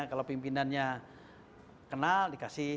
kalau pimpinannya kenal dikasih